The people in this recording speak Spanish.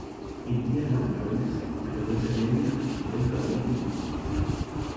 En días laborables la frecuencia media es un tren cada veinte minutos.